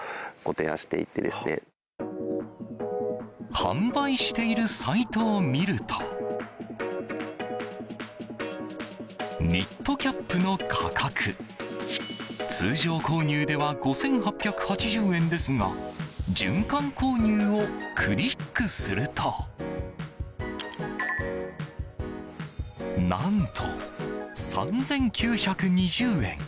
販売しているサイトを見るとニットキャップの価格通常購入では５８８０円ですが循環購入をクリックすると何と、３９２０円。